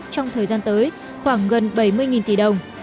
trong thời gian tới khoảng gần bảy mươi tỷ đồng